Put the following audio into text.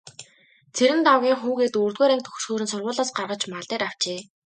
Цэрэндагвынх хүүгээ дөрөвдүгээр анги төгсөхөөр нь сургуулиас гаргаж мал дээр авчээ.